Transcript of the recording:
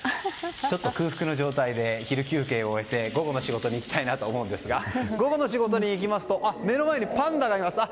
ちょっと空腹の状態で昼休憩を終えて午後の仕事に行きたいなと思うんですが午後の仕事に行きますと目の前にパンダがいます。